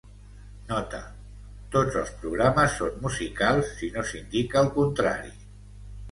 Nota: tots els programes són musicals si no s'indica el contrari.